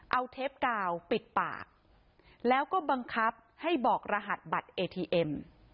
เอาเทปกาวปิดปากแล้วก็บังคับให้บอกรหัสบัตรเอทีเอ็ม